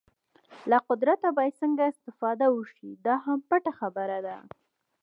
له قدرته باید څنګه استفاده وشي دا هم پټه خبره ده.